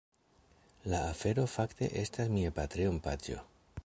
La afero fakte estas mia Patreon paĝo